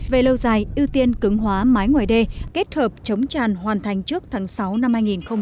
về lâu dài ưu tiên cứng hóa mái ngoài đê kết hợp chống tràn hoàn thành trước tháng sáu năm hai nghìn hai mươi